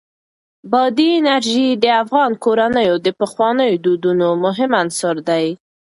بادي انرژي د افغان کورنیو د پخوانیو دودونو مهم عنصر دی.